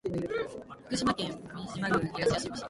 徳島県美馬郡東みよし町